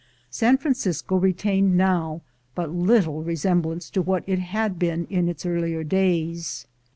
San Francisco retained now but little resemblance to what it had been in its earlier days.